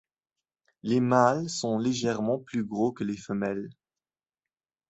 Les mâles sont légèrement plus gros que les femelles.